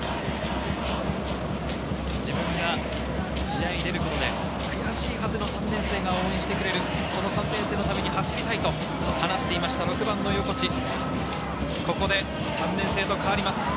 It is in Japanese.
自分が試合に出ることで悔しいはずの３年生が応援してくれる、その３年生のために走りたいと話していた６番・横地、ここで３年生と代わります。